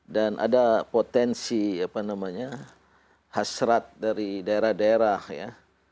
dan ada potensi apa namanya hasrat dari daerah daerah ya